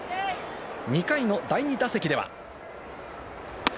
２回の第２打席では。